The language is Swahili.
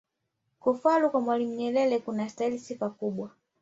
kufalu kwa mwalimu nyerere kunastahili sifa kubwa